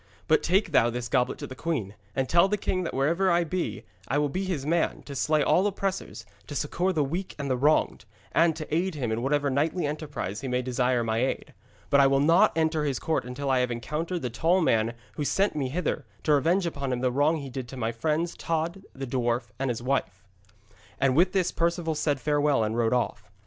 'But take thou this goblet to the queen, and tell the king that wherever I be, I will be his man, to slay all oppressors, to succour the weak and the wronged, and to aid him in whatever knightly enterprise he may desire my aid. But I will not enter his court until I have encountered the tall man there who sent me hither, to revenge upon him the wrong he did to my friends, Tod the dwarf and his wife.' And with this Perceval said farewell and rode off.